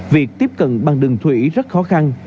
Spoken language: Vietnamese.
việc tiếp cận bằng đường thủy rất khó khăn